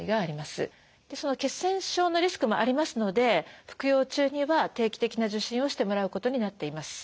血栓症のリスクもありますので服用中には定期的な受診をしてもらうことになっています。